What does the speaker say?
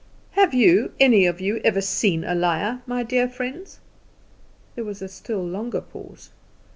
"Have you any of you ever seen a liar, my dear friends?" There was a still longer pause.